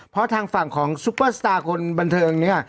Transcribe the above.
เพราะทางฝั่งของซุปเปอร์สตาร์คนบันเทิงเนี่ย